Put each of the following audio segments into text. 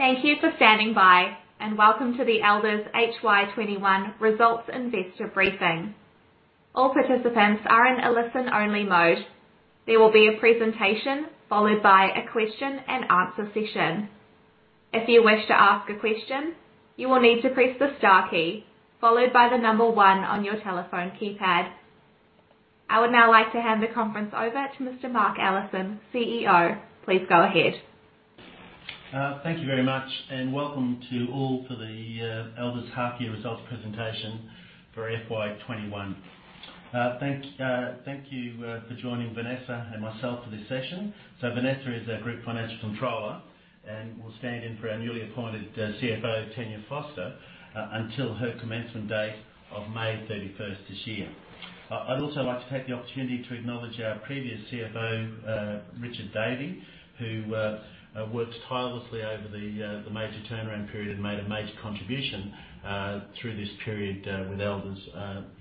Thank you for standing by, and welcome to the Elders HY 2021 Results Investor Briefing. All participants are in the listen-only mode. There will be a presentation, followed by a question-and-answer session. If you wish to ask a question, you may press the star key followed by the number one on your telephone keypad. I would now like to hand the conference over to Mr. Mark Allison, CEO. Please go ahead. Thank you very much. Welcome to all for the Elders half-year results presentation for FY 2021. Thank you for joining Vanessa and myself for this session. Vanessa is our Group Financial Controller and will stand in for our newly appointed CFO, Tania Foster, until her commencement date of May 31st this year. I'd also like to take the opportunity to acknowledge our previous CFO, Richard Davey, who worked tirelessly over the major turnaround period and made a major contribution through this period with Elders.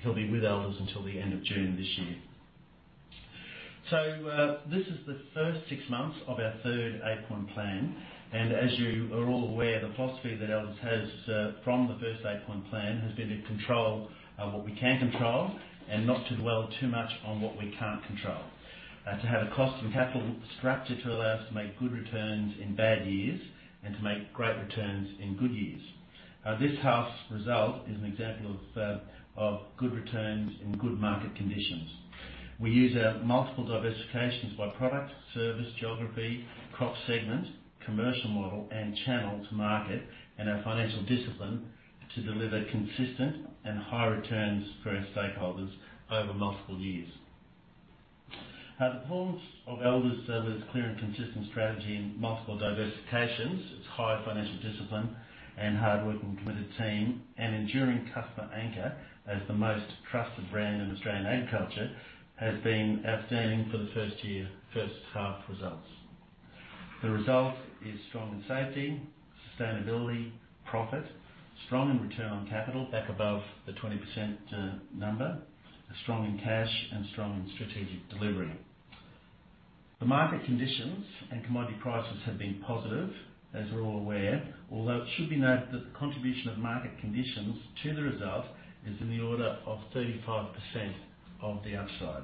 He'll be with Elders until the end of June this year. This is the first six months of our third Eight-Point Plan, and as you are all aware, the philosophy that Elders has from the first Eight-Point Plan has been to control what we can control and not to dwell too much on what we can't control, and to have a cost and capital structure to allow us to make good returns in bad years and to make great returns in good years. This half's result is an example of good returns in good market conditions. We use our multiple diversifications by product, service, geography, crop segment, commercial model, and channel to market and our financial discipline to deliver consistent and high returns for our stakeholders over multiple years. Now, the performance of Elders' clear and consistent strategy, multiple diversifications, its high financial discipline, and hard-working, committed team, and enduring customer anchor as the most trusted brand in Australian agriculture, has been outstanding for the first year, first half results. The result is strong in safety, sustainability, profit, strong in Return on Capital back above the 20%, strong in cash, and strong in strategic delivery. The market conditions and commodity prices have been positive, as we're all aware, although it should be noted that the contribution of market conditions to the result is in the order of 35% of the upside,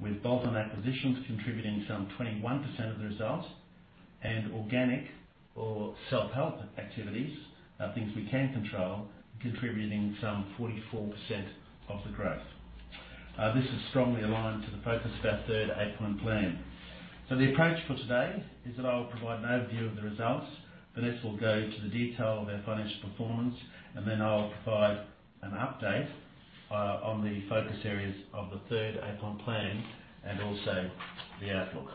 with bolt-on acquisitions contributing some 21% of the results and organic or self-help activities, things we can control, contributing some 44% of the growth. This is strongly aligned to the focus of our third Eight-Point Plan. The approach for today is that I'll provide an overview of the results. Vanessa will go into the detail of our financial performance, and then I'll provide an update on the focus areas of the third Eight-Point Plan and also the outlook.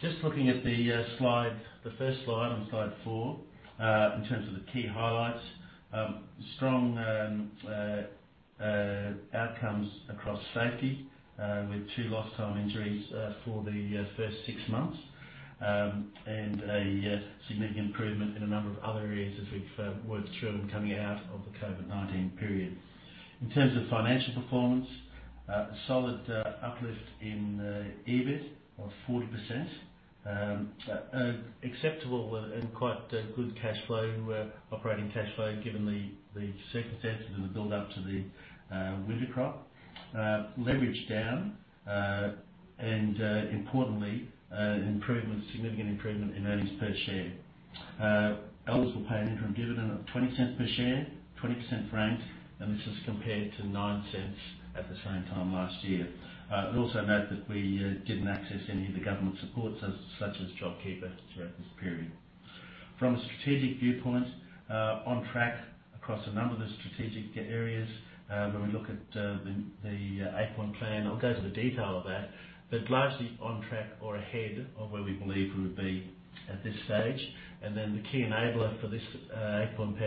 Just looking at the first slide on slide four, in terms of the key highlights, strong outcomes across safety, with two lost time injuries for the first six months, and a significant improvement in a number of other areas as we've worked through and coming out of the COVID-19 period. In terms of financial performance, a solid uplift in EBIT of 40%, acceptable and quite good operating cash flow given the circumstances in the build-up to the winter crop, leverage down, and importantly, significant improvement in earnings per share. Elders will pay an interim dividend of 0.20 per share, 0.20 frank, this is compared to 0.09 at the same time last year. I'd also note that we didn't access any of the government supports, such as JobKeeper, during this period. From a strategic viewpoint, on track across a number of the strategic areas. When we look at the Eight-Point Plan, I'll go into the detail of that, largely on track or ahead of where we believe we would be at this stage. The key enabler for the third Eight-Point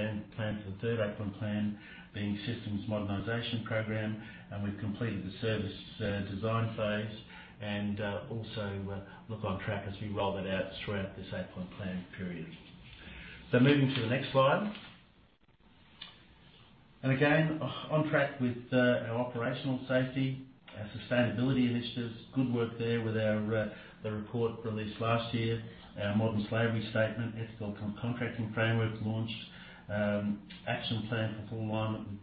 Plan, the Systems Modernization Program, we've completed the service design phase and also look on track as we roll it out throughout this Eight-Point Plan period. Moving to the next slide. Again, on track with our operational safety. Our sustainability initiatives, good work there with our report released last year, our Modern Slavery Statement, ethical contracting frameworks launched, action plan for 41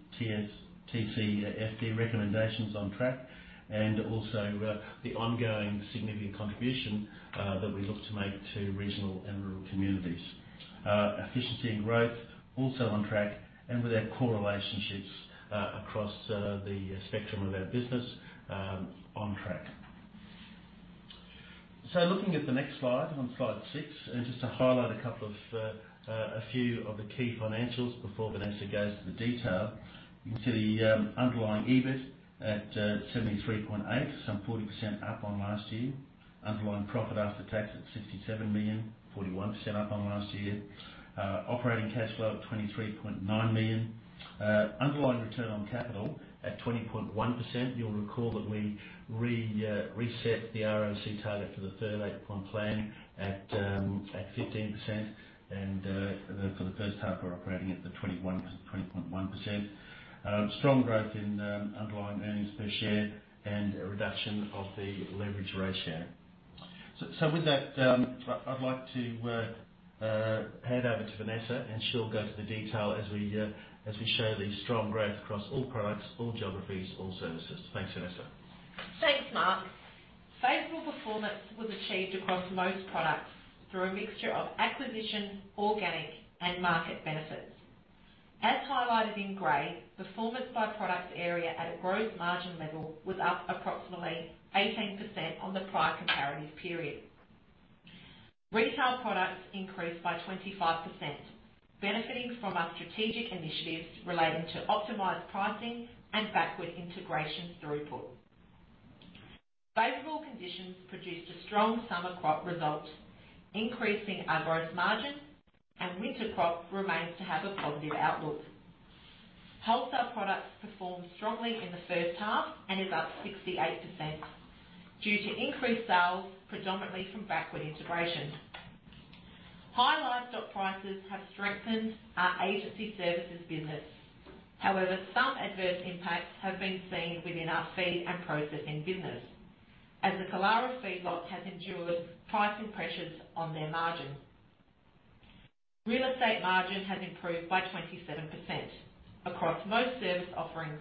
TCFD recommendations on track, the ongoing significant contribution that we look to make to regional and rural communities. Efficiency and growth, also on track, with our core relationships across the spectrum of our business, on track. Looking at the next slide, on slide six, just to highlight a few of the key financials before Vanessa goes into the detail. You can see underlying EBIT at 73.8, some 40% up on last year. Underlying profit after tax at 67 million, 41% up on last year. Operating cash flow at 23.9 million. Underlying Return on Capital at 20.1%. You'll recall that we reset the ROC target for the third Eight-Point Plan at 15%, and for the first half, we're operating at the 20.1%. Strong growth in underlying earnings per share and a reduction of the leverage ratio. With that, I'd like to hand over to Vanessa, and she'll go through the detail as we show the strong growth across all products, all geographies, all services. Thanks, Vanessa. Thanks, Mark. Favorable performance was achieved across most products through a mixture of acquisition, organic, and market benefits. As highlighted in gray, performance by product area at a gross margin level was up approximately 18% on the prior comparative period. Retail products increased by 25%, benefiting from our strategic initiatives relating to optimized pricing and backward integration throughput. Favorable conditions produced a strong summer crop result, increasing our gross margins and winter crop remains to have a positive outlook. Wholesale products performed strongly in the first half and is up 68%, due to increased sales predominantly from backward integration. High livestock prices have strengthened our agency services business. Some adverse impacts have been seen within our feed and processing business, as the Killara Feedlots has endured price pressures on their margins. Real estate margins have improved by 27% across most service offerings,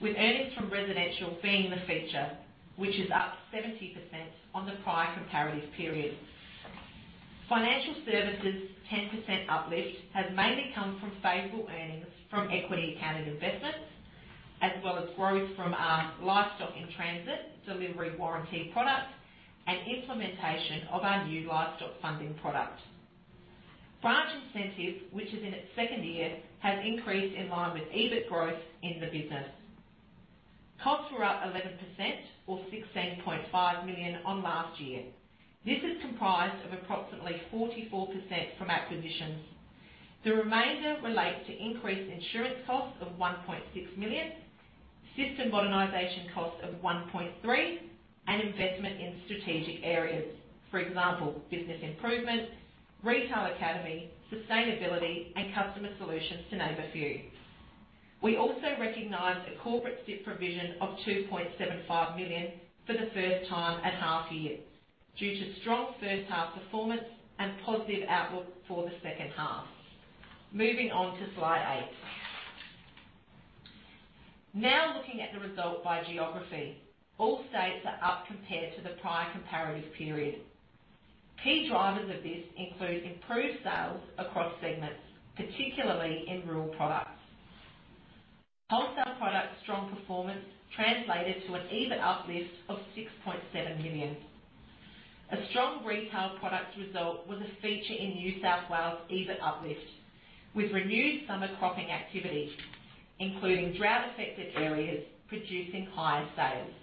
with earnings from residential being the feature, which is up 70% on the prior comparative period. Financial services 10% uplift has mainly come from favorable earnings from equity accounting investments, as well as growth from our Livestock-in-Transit Delivery Warranty product and implementation of our new livestock funding product. Branch incentives, which is in its second year, have increased in line with EBIT growth in the business. Costs were up 11% or 16.5 million on last year. This is comprised of approximately 44% from acquisitions. The remainder relates to increased insurance costs of 1.6 million, Systems Modernization costs of 1.3 million, and investment in strategic areas. For example, business improvements, Retail Academy, sustainability, and customer solutions to name a few. We also recognized a corporate debt provision of 2.75 million for the first time at half year, due to strong first half performance and positive outlook for the second half. Moving on to slide eight. Looking at the result by geography. All states are up compared to the prior comparative period. Key drivers of this include improved sales across segments, particularly in rural products. Wholesale products strong performance translated to an EBIT uplift of 6.7 million. A strong retail product result was a feature in New South Wales EBIT uplift, with renewed summer cropping activity, including drought-affected areas producing higher sales.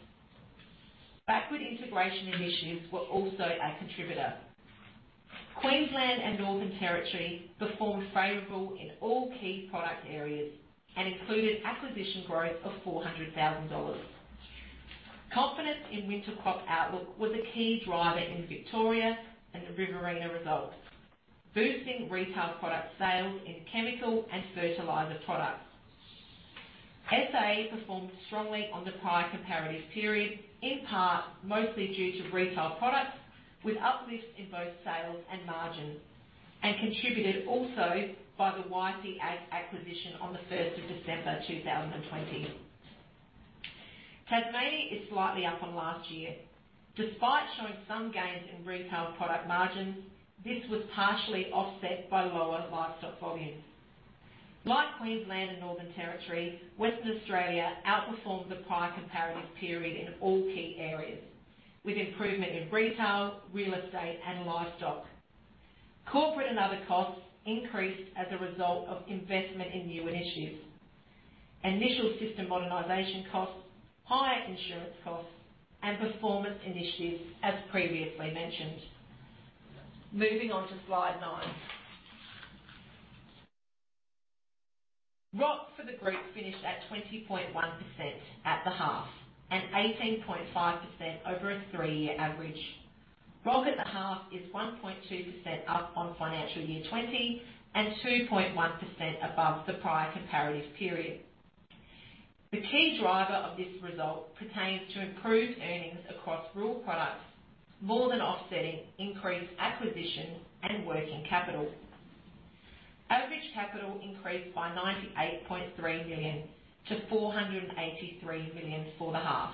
Backward integration initiatives were also a contributor. Queensland and Northern Territory performed favorable in all key product areas and included acquisition growth of 400,000 dollars. Confidence in winter crop outlook was a key driver in Victoria and the Riverina results, boosting retail product sales in chemical and fertilizer products. SA performed strongly on the prior comparative period, in part mostly due to retail products with uplift in both sales and margins, and contributed also by the YP Ag acquisition on the 1st of December 2020. Tasmania is slightly up on last year. Despite showing some gains in retail product margins, this was partially offset by lower livestock volumes. Like Queensland and Northern Territory, Western Australia outperformed the prior comparative period in all key areas, with improvement in retail, real estate, and livestock. Corporate and other costs increased as a result of investment in new initiatives, initial system modernization costs, higher insurance costs, and performance initiatives as previously mentioned. Moving on to slide 9. ROC for the group finished at 20.1% at the half and 18.5% over a three-year average. ROC at the half is 1.2% up on financial year 2020 and 2.1% above the prior comparative period. The key driver of this result pertains to improved earnings across rural products, more than offsetting increased acquisition and working capital. Average capital increased by 98.3 million to 483 million for the half.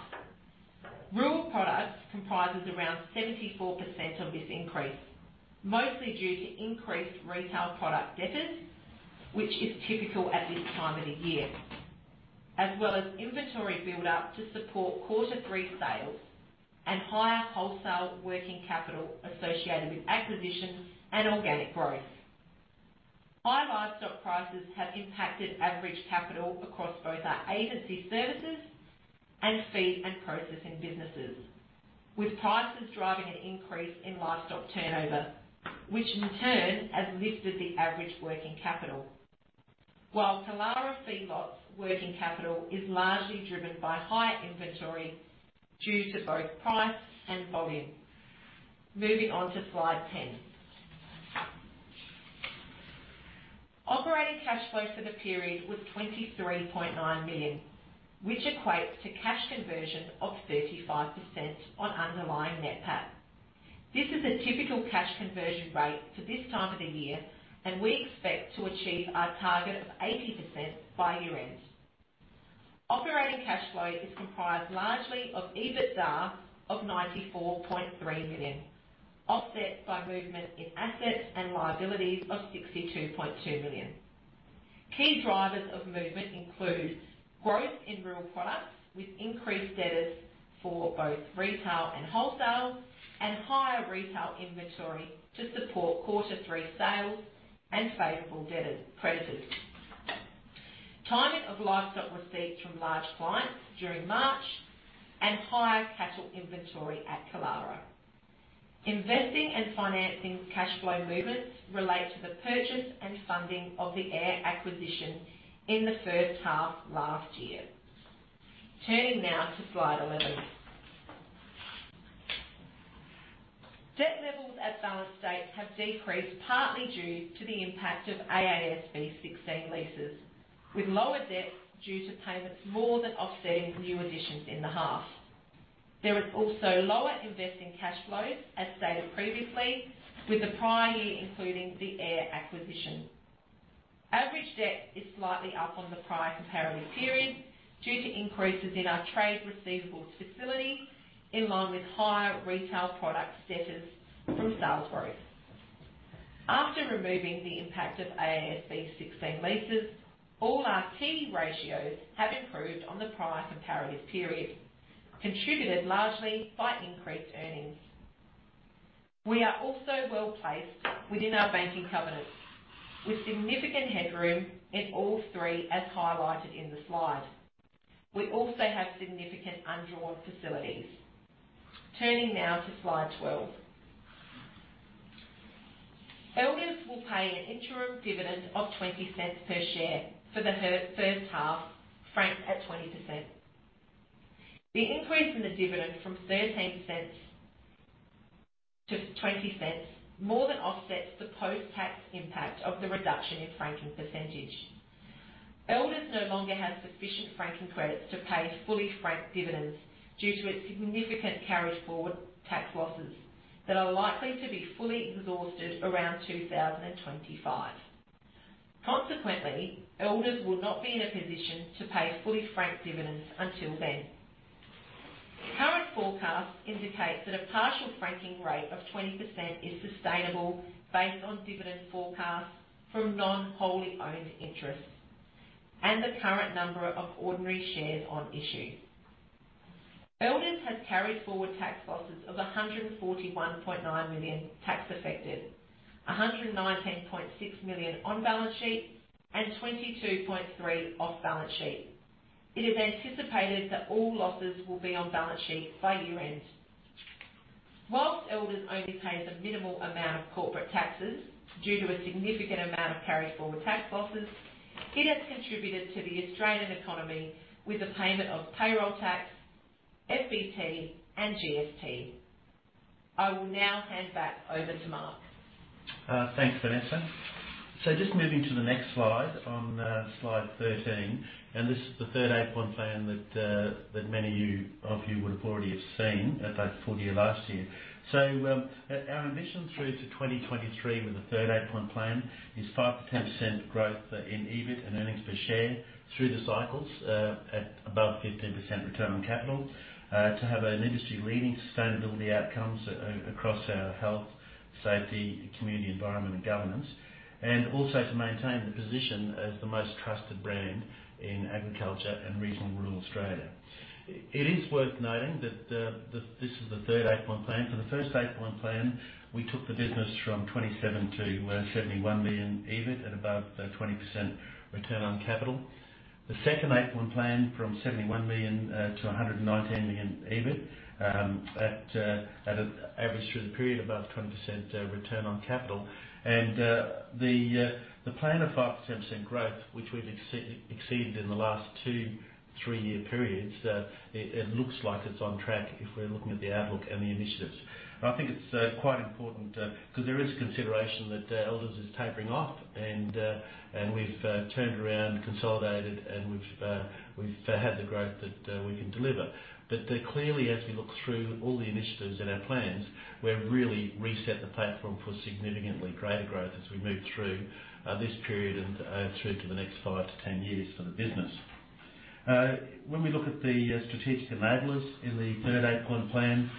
Rural products comprises around 74% of this increase, mostly due to increased retail product debtors, which is typical at this time of the year, as well as inventory build-up to support quarter three sales and higher wholesale working capital associated with acquisitions and organic growth. High livestock prices have impacted average capital across both our agency services and feed and processing businesses, with prices driving an increase in livestock turnover, which in turn has lifted the average working capital. While Killara Feedlot's working capital is largely driven by higher inventory due to both price and volume. Moving on to slide 10. Operating cash flow for the period was 23.9 million, which equates to cash conversion of 35% on underlying Net PAT. This is a typical cash conversion rate for this time of the year, and we expect to achieve our target of 80% by year-end. Operating cash flow is comprised largely of EBITDA of 94.3 million, offset by movement in assets and liabilities of 62.2 million. Key drivers of movement include growth in rural products, with increased debtors for both retail and wholesale, and higher retail inventory to support quarter 3 sales and favorable debtor prices. Timing of livestock receipts from large clients during March and higher cattle inventory at Killara. Investing and financing cash flow movements relate to the purchase and funding of the AIRR acquisition in the first half last year. Turning now to slide 11. Debt levels at Elders have decreased partly due to the impact of AASB 16 leases, with lower debt due to payments more than offsetting new additions in the half. There is also lower investing cash flows, as stated previously, with the prior year including the AIRR acquisition. Average debt is slightly up on the prior comparative period due to increases in our trade receivables facility in line with higher retail product debtors from sales growth. After removing the impact of AASB 16 leases, all our key ratios have improved on the prior comparative period, contributed largely by increased earnings. We are also well-placed within our banking covenants, with significant headroom in all three as highlighted in the slide. We also have significant undrawn facilities. Turning now to slide 12. Elders will pay an interim dividend of 0.20 per share for the first half, franked at 20%. The increase in the dividend from 0.13 to 0.20 more than offsets the post-tax impact of the reduction in franking percentage. Elders no longer have sufficient franking credits to pay fully franked dividends due to its significant carry-forward tax losses that are likely to be fully exhausted around 2025. Elders will not be in a position to pay fully franked dividends until then. Current forecasts indicate that a partial franking rate of 20% is sustainable based on dividend forecasts from non-wholly owned interests and the current number of ordinary shares on issue. Elders has carried forward tax losses of 141.9 million tax effective, 119.6 million on-balance sheet and 22.3 million off-balance sheet. It is anticipated that all losses will be on-balance sheet by year-end. Whilst Elders only pays a minimal amount of corporate taxes due to a significant amount of carry forward tax losses, it has contributed to the Australian economy with the payment of payroll tax, FBT, and GST. I will now hand back over to Mark. Thanks, Vanessa. Just moving to the next slide, on slide 13. This is the third Eight-Point Plan that many of you would have already have seen at our full year last year. Our ambition through to 2023 with the third Eight-Point Plan is 5% growth in EBIT and earnings per share through the cycles at above 15% Return on Capital, to have an industry-leading sustainability outcomes across our health, safety, community, environment, and governance, and also to maintain the position as the most trusted brand in agriculture and regional rural Australia. It is worth noting that this is the third Eight-Point Plan. For the first Eight-Point Plan, we took the business from 27 million to 71 million EBIT at above 20% Return on Capital. The second Eight-Point Plan from 71 million to 119 million EBIT at an average through the period above 20% Return on Capital. The plan of 5% growth, which we've exceeded in the last two, three-year periods, it looks like it's on track if we're looking at the outlook and the initiatives. I think it's quite important because there is consideration that Elders is tapering off, and we've turned around, consolidated, and we've had the growth that we can deliver. Clearly, as we look through all the initiatives and our plans, we've really reset the platform for significantly greater growth as we move through this period and through to the next 5 to 10 years for the business. When we look at the strategic enablers in the third Eight-Point Plan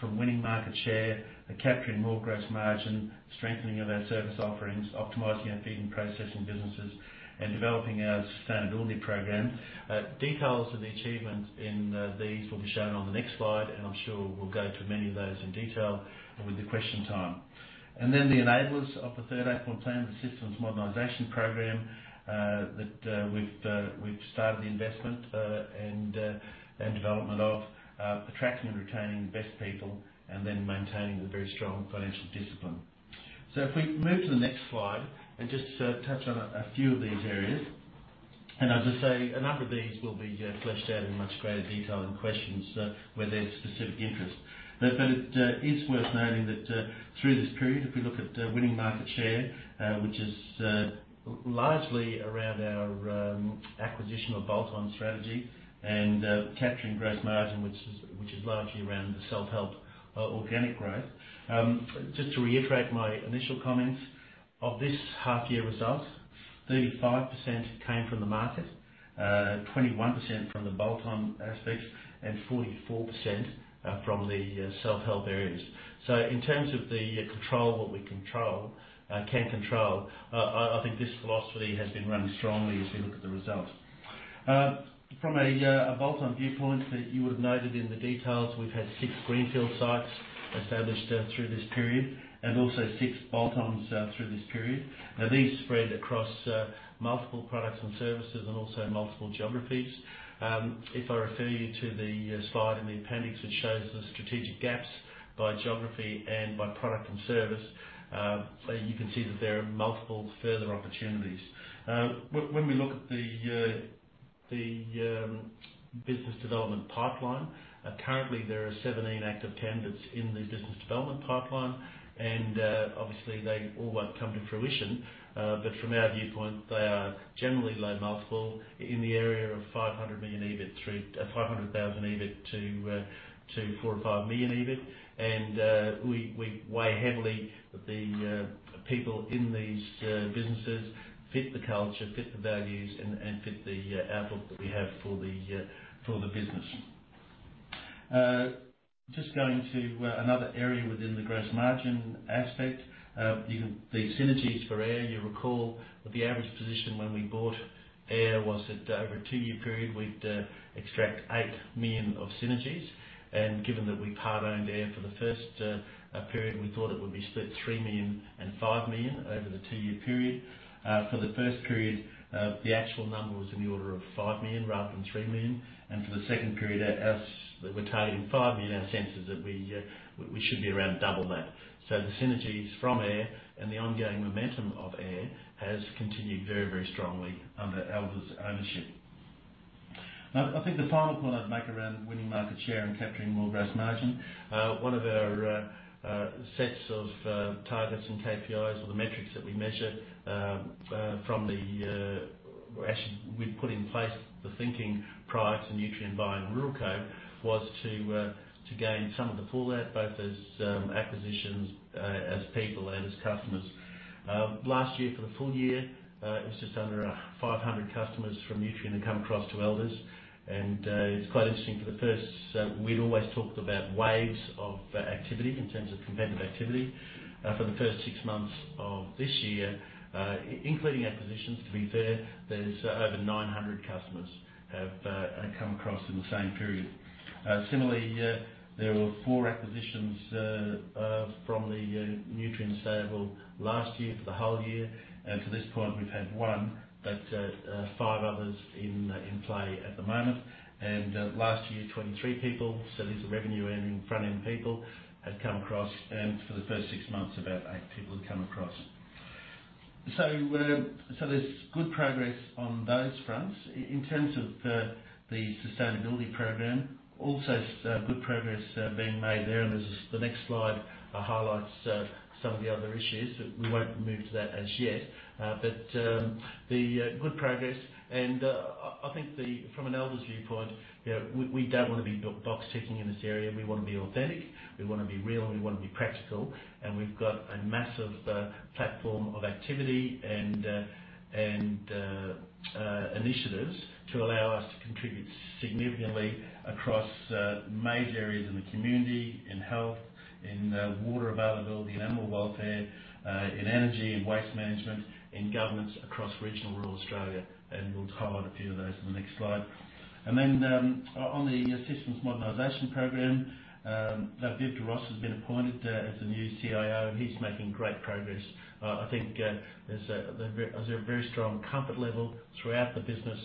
for winning market share, capturing more gross margin, strengthening of our service offerings, optimizing our feed and processing businesses, and developing our sustainability program. Details of the achievements in these will be shown on the next slide, and I'm sure we'll go through many of those in detail with the question time. Then the enablers of the third Eight-Point Plan, the Systems Modernization Program, that we've started the investment and development of attracting and retaining the best people and then maintaining a very strong financial discipline. If we can move to the next slide and just touch on a few of these areas. As I say, a number of these will be fleshed out in much greater detail in questions where there's specific interest. It is worth noting that through this period, if we look at winning market share, which is largely around our acquisition of bolt-on strategy and capturing gross margin, which is largely around the self-help organic growth. Just to reiterate my initial comments, of this half year results, 35% came from the market, 21% from the bolt-on aspect, and 44% from the self-help areas. In terms of the control that we can control, I think this philosophy has been running strongly as we look at the results. From a bolt-on viewpoint, you would have noted in the details, we've had six greenfield sites established through this period and also six bolt-ons through this period. These spread across multiple products and services and also multiple geographies. If I refer you to the slide in the appendix that shows the strategic gaps by geography and by product and service, you can see that there are multiple further opportunities. When we look at the business development pipeline, currently there are 17 active candidates in the business development pipeline, obviously they all won't come to fruition. From our viewpoint, they are generally low multiple in the area of 500,000 EBIT to 5 million EBIT. We weigh heavily that the people in these businesses fit the culture, fit the values, and fit the outlook that we have for the business. Just going to another area within the gross margin aspect, the synergies for AIRR, you recall, the average position when we bought AIRR was that over a two-year period, we'd extract 8 million of synergies. Given that we part-owned AIRR for the first period, we thought it would be split 3 million and 5 million over the two-year period. For the first period, the actual number was in the order of 5 million rather than 3 million. For the second period, we're taking 5 million. Our sense is that we should be around double that. The synergies from AIRR and the ongoing momentum of AIRR has continued very strongly under Elders ownership. I think the final point I'd make around winning market share and capturing more gross margin, one of our sets of targets and KPIs or the metrics that we measure from the actually, we put in place the thinking prior to Nutrien buying Ruralco was to gain some of the former, both as acquisitions, as people and as customers. Last year for the full year, it was just under 500 customers from Nutrien come across to Elders. It's quite interesting, for the first, we'd always talked about waves of activity in terms of competitive activity. For the first six months of this year, including acquisitions, to be fair, there's over 900 customers have come across in the same period. Similarly, there were four acquisitions from the Nutrien stable last year for the whole year. To this point, we've had one, but five others in play at the moment. Last year, 23 people. These are revenue earning front-end people had come across. For the first six months, about eight people had come across. There's good progress on those fronts. In terms of the sustainability program, also good progress being made there. The next slide highlights some of the other issues. We won't move to that as yet. Good progress. I think from an Elders viewpoint, we don't want to be box ticking in this area. We want to be authentic, we want to be real, and we want to be practical. We've got a massive platform of activity and initiatives to allow us to contribute significantly across major areas of the community, in health, in water availability, animal welfare, in energy and waste management, in governments across regional rural Australia. We'll highlight a few of those in the next slide. On the Systems Modernization Program, Viv Da Ros has been appointed as the new CIO, and he's making great progress. I think there's a very strong comfort level throughout the business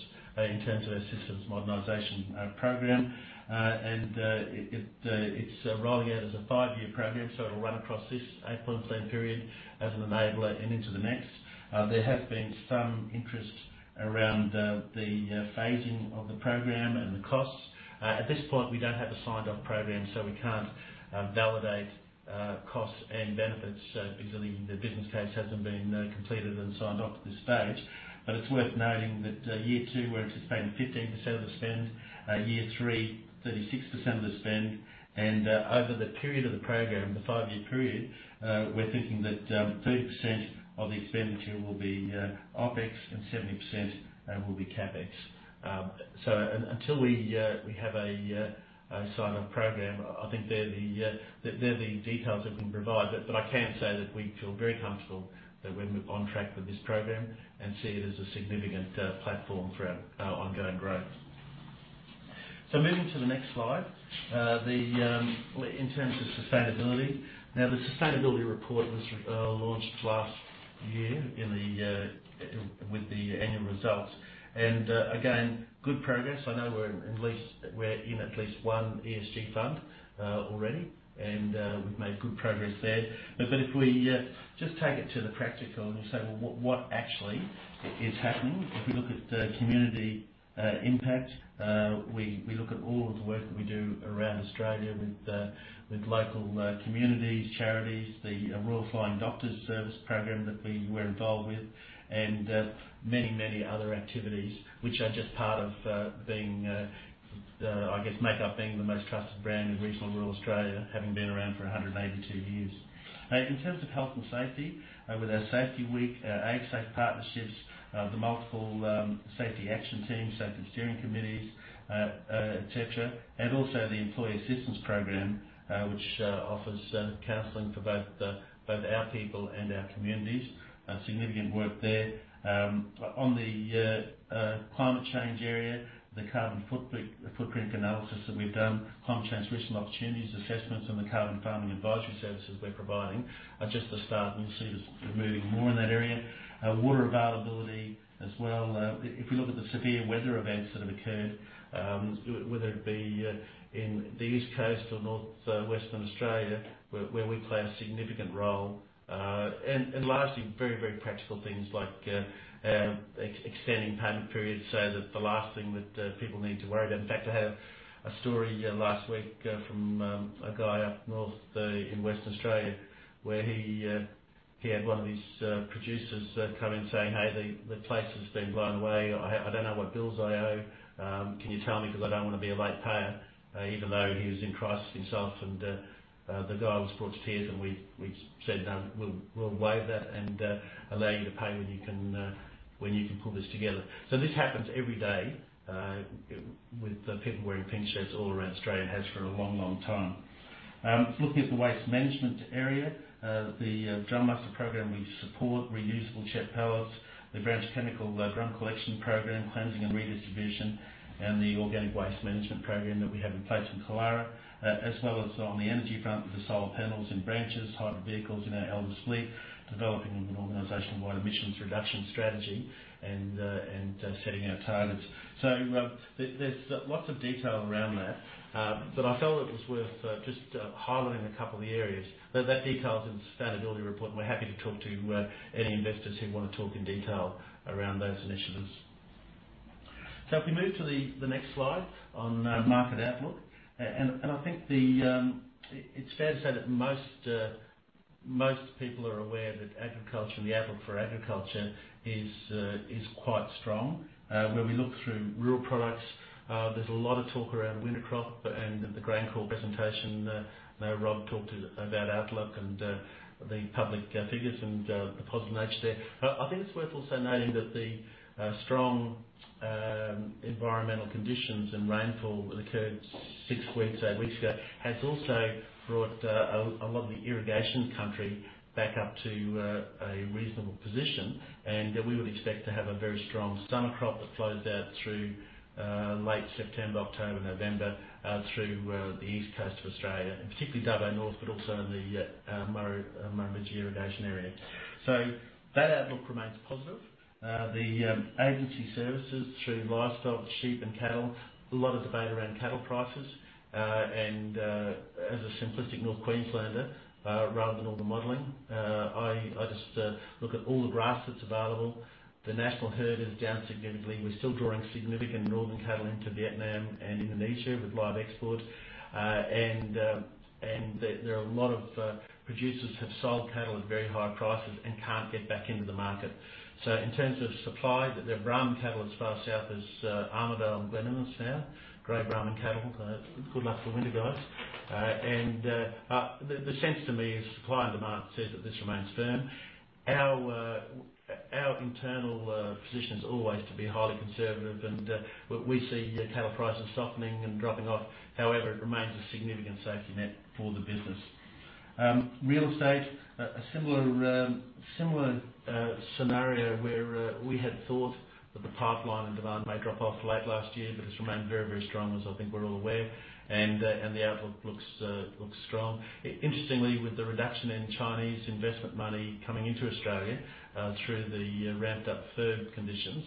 in terms of the Systems Modernization Program. It's rolling out as a five-year program, so it'll run across this financial period and enable into the next. There have been some interest around the phasing of the program and the costs. At this point, we don't have a signed off program, we can't validate costs and benefits because the business case hasn't been completed and signed off at this stage. It's worth noting that year two, we're expecting 15% of spend, year three, 36% of spend. Over the period of the program, the five-year period, we're thinking that 30% of the expenditure will be OpEx and 70% will be CapEx. Until we have a signed off program, I think they're the details that we can provide. I can say that we feel very comfortable that we're on track with this program and see it as a significant platform for our ongoing growth. Moving to the next slide, in terms of sustainability, the sustainability report was launched last year with the annual results. Again, good progress. I know we're in at least one ESG fund already. We've made good progress there. If we just take it to the practical and we say, "Well, what actually is happening?" If we look at the community impact, we look at all of the work that we do around Australia with local communities, charities, the Royal Flying Doctor Service program that we're involved with, and many other activities, which are just part of being, I guess, make up being the most trusted brand in regional rural Australia, having been around for 182 years. In terms of health and safety, with our safety week, Agsafe partnerships, the multiple safety action teams, safety steering committees, et cetera, and also the employee assistance program, which offers counseling for both our people and our communities. Significant work there. The climate change area, the carbon footprint analysis that we've done, climate transition opportunities assessments, the carbon farming advisory services we're providing are just the start. We see us moving more in that area. Water availability as well. If you look at the severe weather events that have occurred, whether it be in the East Coast or Northwestern Australia, where we play a significant role. Lastly, very practical things like extending payment periods so that the last thing that people need to worry. In fact, I have a story last week from a guy up north in Western Australia where he had one of his producers come in saying, "Hey, the place has been blown away. I don't know what bills I owe. Can you tell me? I don't want to be a late payer," even though he was in crisis himself and the guy was brought to tears and we said, "We'll waive it and allow you to pay when you can pull this together." This happens every day with people wearing pin shirts all around Australia, has for a long time. Looking at the waste management area, the drumMUSTER program we support, reusable check pellets, the branch chemical drum collection program, cleansing and redistribution, and the organic waste management program that we have in place in Killara. As well as on the energy front, with the solar panels and branches, hybrid vehicles in our Elders fleet, developing an organization-wide emissions reduction strategy and setting our targets. There's lots of detail around that. I felt it was worth just highlighting a couple of areas. That detail is in the sustainability report, and we're happy to talk to any investors who want to talk in detail around those initiatives. If we move to the next slide on market outlook. I think it's fair to say that most people are aware that the outlook for agriculture is quite strong. When we look through rural products, there's a lot of talk around winter crop and the GrainCorp presentation. I know Rob talked about outlook and the public figures and the positive nature there. I think it's worth also noting that the strong environmental conditions and rainfall that occurred six weeks, eight weeks ago, has also brought a lot of the irrigation country back up to a reasonable position, and we would expect to have a very strong summer crop that flows out through late September, October, November, through the east coast of Australia, and particularly Darling Downs, but also the Murrumbidgee Irrigation Area. That outlook remains positive. The agency services through livestock, sheep, and cattle, a lot of debate around cattle prices. As a simplistic North Queenslander, rather than all the modeling, I just look at all the graphs that's available. The national herd is down significantly. We're still drawing significant northern cattle into Vietnam and Indonesia with live exports. There are a lot of producers who have sold cattle at very high prices and can't get back into the market. In terms of supply, the Brahman cattle as far south as Armidale and Glen Innes now. Great Brahman cattle. Good luck for winter, guys. The sense to me is supply and demand says that this remains firm. Our internal position is always to be highly conservative, and we see cattle prices softening and dropping off. However, it remains a significant safety net for the business. Real estate, a similar scenario where we had thought that the pipeline and demand may drop off late last year, but it's remained very strong, as I think we're all aware, and the outlook looks strong. Interestingly, with the reduction in Chinese investment money coming into Australia through the ramped-up FIRB conditions,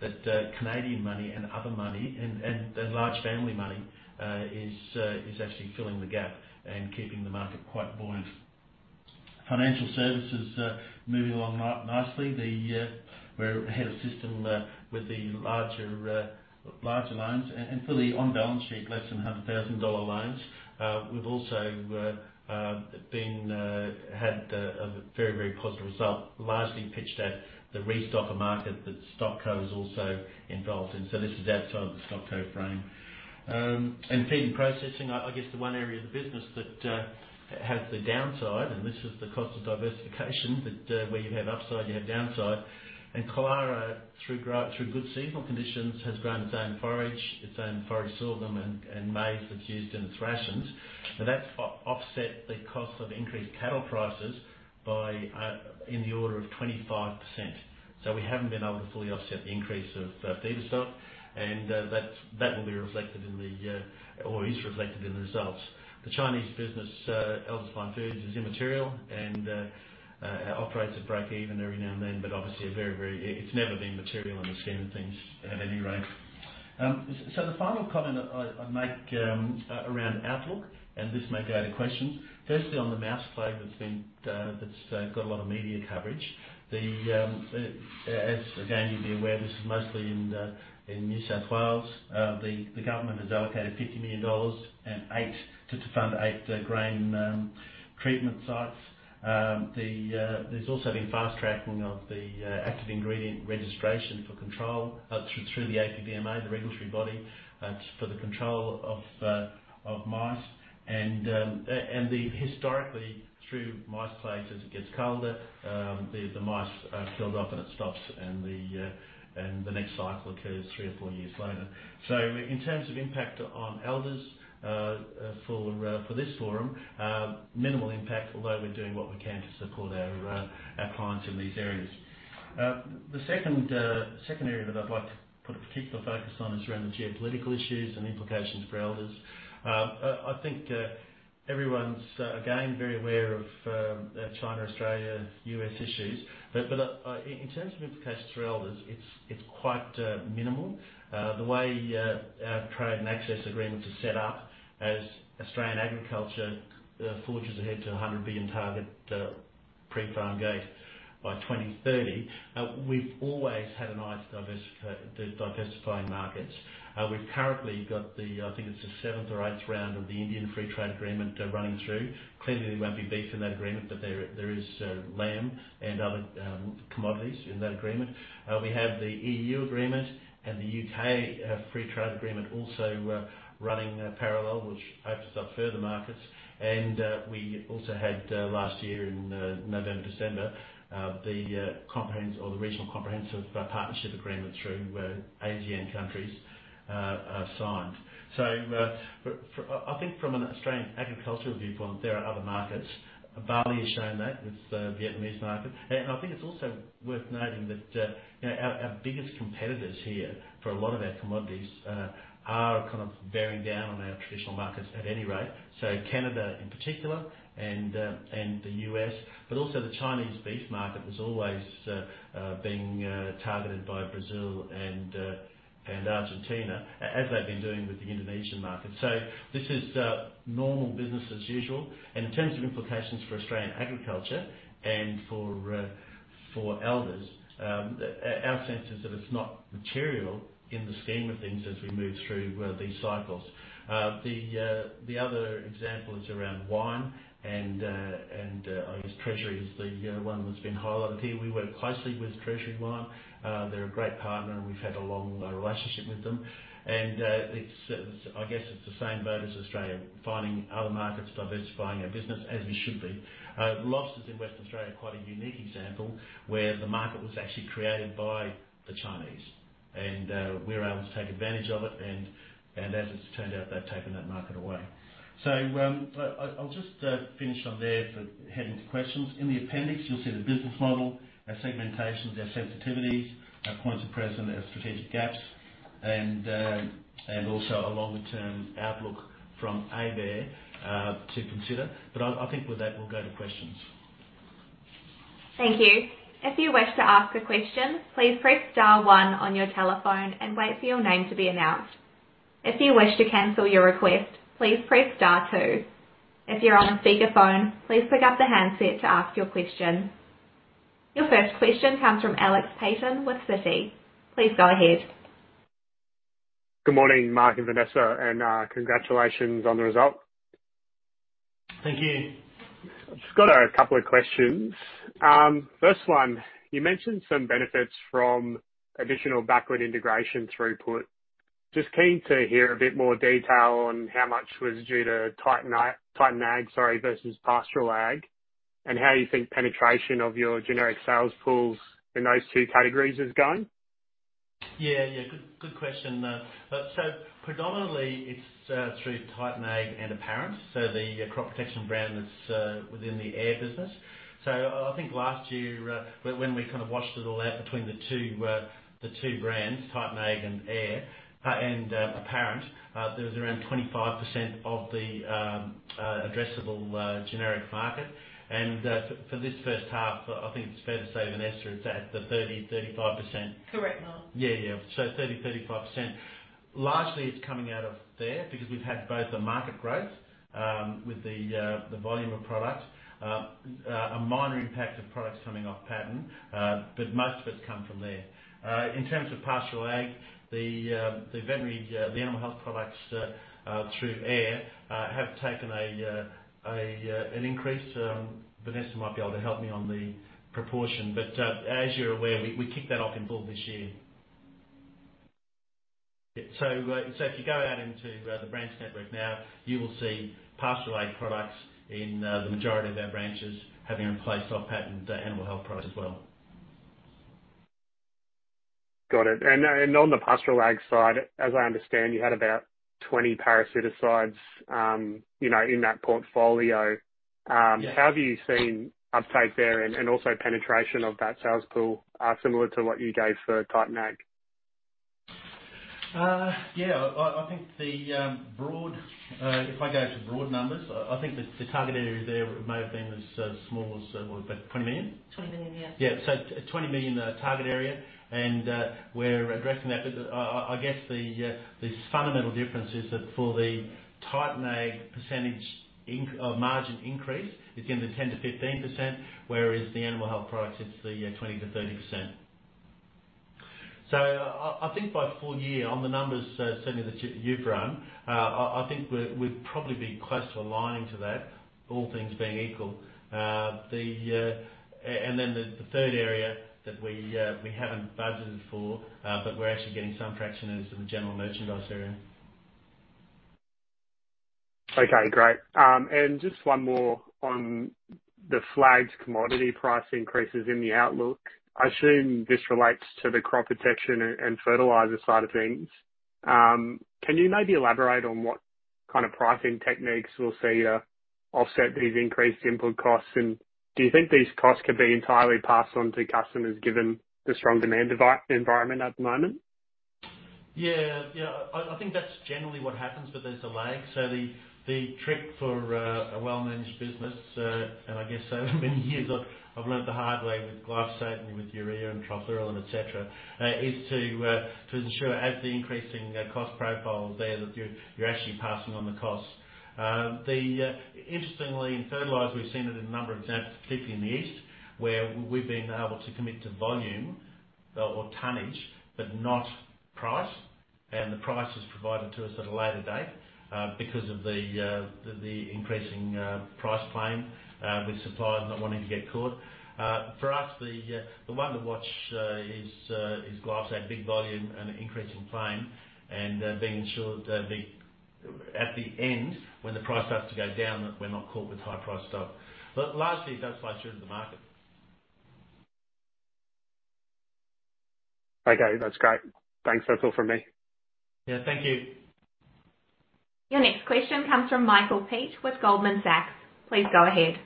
that Canadian money and other money and large family money is actually filling the gap and keeping the market quite buoyant. Financial services moving along nicely. We have a system with the larger loans and for the on-balance sheet less than 100,000 dollar loans. We've also had a very positive result, largely pitched at the restocker market that StockCo is also involved in. This is outside the StockCo frame. Feed processing, I guess the one area of the business that has the downside, and this is the cost of diversification, that where you had upside, you had downside. Killara, through good seasonal conditions, has grown its own forage, its own forage sorghum and maize that's used in rations. That's offset the cost of increased cattle prices by in the order of 25%. We haven't been able to fully offset the increase of feedstock, and that will be reflected in the, or is reflected in the results. The Chinese business, Elders Fine Foods, is immaterial and operates at breakeven every now and then, but obviously it's never been material in the scheme of things at any rate. The final comment I'll make around outlook, and this may go to questions, firstly on the mouse plague that's got a lot of media coverage. Again, you'll be aware this is mostly in New South Wales. The government has allocated 50 million dollars to fund eight grain treatment sites. There's also been fast-tracking of the active ingredient registration for control through the APVMA, the regulatory body, for the control of mice. Then historically, through mouse plagues, as it gets colder, the mice build up and it stops and the next cycle occurs three or four years later. In terms of impact on Elders for this forum, minimal impact, although we're doing what we can to support our clients in these areas. The second area that I'd like to put a particular focus on is around the geopolitical issues and implications for Elders. I think everyone's, again, very aware of China-Australia-U.S. issues. In terms of implications for Elders, it's quite minimal. The way our trade and access agreements are set up as Australian agriculture forges ahead to the 100 billion target pre-farm gate by 2030, we've always had an eye to diversifying markets. We've currently got the, I think it's the seventh or eighth round of the Indian Free Trade Agreement running through. Clearly, there won't be beef in that agreement, but there is lamb and other commodities in that agreement. We have the EU agreement and the U.K. Free Trade Agreement also running parallel, which opens up further markets. We also had last year in November, December, the Regional Comprehensive Economic Partnership through ASEAN countries signed. I think from an Australian agricultural viewpoint, there are other markets. Barley has shown that with the Vietnamese market. I think it's also worth noting that our biggest competitors here for a lot of our commodities are bearing down on our traditional markets at any rate. Canada, in particular, and the U.S., but also the Chinese beef market was always being targeted by Brazil and Argentina, as they've been doing with the Indonesian market. This is normal business as usual. In terms of implications for Australian agriculture and for Elders, our sense is that it's not material in the scheme of things as we move through these cycles. The other example is around wine and I guess Treasury is the one that's been highlighted here. We work closely with Treasury Wine. They're a great partner and we've had a long relationship with them. I guess it's the same boat as Australia, finding other markets, diversifying our business, as you should be. Lobster is in Western Australia, quite a unique example, where the market was actually created by the Chinese and we were able to take advantage of it, and as it's turned out, they've taken that market away. I'll just finish on there heading to questions. In the appendix, you'll see the business model, our segmentations, our sensitivities, our points of presence, our strategic gaps, and also a longer-term outlook from ABARES to consider. I think with that, we'll go to questions. Thank you. If you wish to ask a question, please press star one on your telephone and wait for your name to be announced. If you wish to cancel your request, please press star two. If you're on speakerphone, please pick up the handset to ask your question. Your first question comes from Alex Paton with Citi. Please go ahead. Good morning, Mark and Vanessa, and congratulations on the result. Thank you. Just got a couple of questions. First one, you mentioned some benefits from additional backward integration throughput. Just keen to hear a bit more detail on how much was due to Titan Ag, sorry, versus Pastoral Ag, and how you think penetration of your generic sales pools in those two categories is going? Yeah. Good question. Predominantly, it's through Titan Ag and Apparent. The crop protection brand that's within the AIRR business. I think last year, when we kind of washed it all out between the two brands, Titan Ag and Apparent, there was around 25% of the addressable generic market. For this first half, I think it's fair to say, Vanessa, it's at the 30%-35%. Correct, Mark. Yeah. 30%, 35%. Largely, it's coming out of there because we've had both the market growth with the volume of product, a minor impact of products coming off patent, but most of it's come from there. In terms of Pastoral Ag, the animal health products through AIRR have taken an increase. Vanessa might be able to help me on the proportion, but as you're aware, we kicked that off in full this year. If you go out into the branch network now, you will see Pastoral Ag products in the majority of our branches having replaced off-patent animal health products as well. Got it. On the Pastoral Ag side, as I understand, you had about 20 parasiticides in that portfolio. Yeah. How have you seen uptake there and also penetration of that sales tool similar to what you gave for Titan Ag? Yeah. If I go to broad numbers, I think the target area there may have been as small as about 20 million? 20 million, yeah. 20 million target area, we're addressing that. I guess the fundamental difference is that for the Titan Ag margin increase, it is going to be 10%-15%, whereas the animal health products, it is 20%-30%. I think by full year, on the numbers, certainly that you have run, I think we would probably be close to aligning to that, all things being equal. Then the third area that we haven't budgeted for, but we are actually getting some traction is in the general merchandise area. Okay, great. Just one more on the flagged commodity price increases in the outlook. I assume this relates to the crop protection and fertilizer side of things. Can you maybe elaborate on what kind of pricing techniques we'll see offset these increased input costs? Do you think these costs could be entirely passed on to customers given the strong demand environment at the moment? I think that's generally what happens with these lags. The trick for a well-managed business, and I guess over many years I've learned the hard way with glyphosate and with urea and prosulfocarb, et cetera, is to ensure as the increasing cost profile is there, that you're actually passing on the costs. Interestingly, in fertilizer, we've seen it in a number of examples, particularly in the east, where we've been able to commit to volume or tonnage, but not price, and the price is provided to us at a later date because of the increasing price claim with suppliers not wanting to get caught. For us, the one to watch is glyphosate, big volume and increasing claim, and being sure that at the end when the price starts to go down, that we're not caught with high price stock. Largely, that's why we're in the market. Okay. That's great. Thanks. That's all from me. Yeah. Thank you. Your next question comes from Michael Peet with Goldman Sachs. Please go ahead.